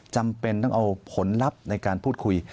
จำเป็นต้องเอาผลลัพธ์ในการพูดคุย